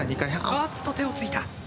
あっと手をついた。